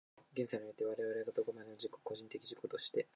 現在において、我々がどこまでも個人的自己として、